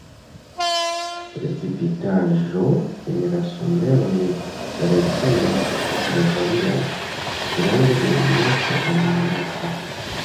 Precipitaĵo en la somero neregula kaj varias grande de monato al monato.